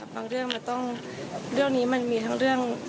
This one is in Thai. เรื่องมันต้องเรื่องนี้มันมีทั้งเรื่อง